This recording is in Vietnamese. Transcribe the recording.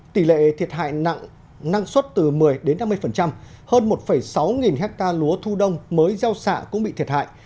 tỷ lệ thiệt hại năng suất từ một mươi đến năm mươi hơn một sáu nghìn hectare lúa thu đông mới gieo xạ cũng bị thiệt hại